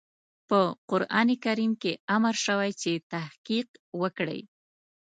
په قرآن کريم کې امر شوی چې تحقيق وکړئ.